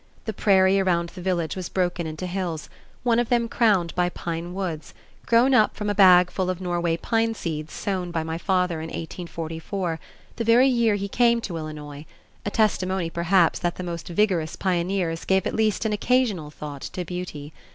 The prairie around the village was broken into hills, one of them crowned by pine woods, grown up from a bag full of Norway pine seeds sown by my father in 1844, the very year he came to Illinois, a testimony perhaps that the most vigorous pioneers gave at least an occasional thought to beauty.